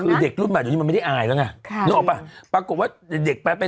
คือเด็กรุ่นแบบนี้มันไม่ได้อายแล้วไงค่ะนึกออกป่ะปรากฏว่าเด็กไป